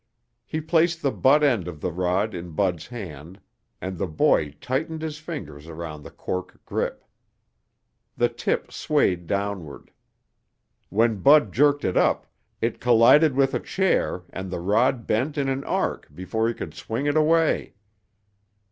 He placed the butt end of the rod in Bud's hand, and the boy tightened his fingers around the cork grip. The tip swayed downward. When Bud jerked it up, it collided with a chair and the rod bent in an arc before he could swing it away.